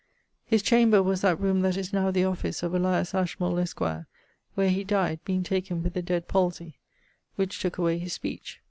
His chamber was that roome that is now the office of Elias Ashmole, esq.; where he dyed, being taken with the dead palsye, which tooke away his speech.